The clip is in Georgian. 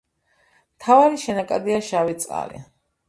მთავარი შენაკადია შავი წყალი.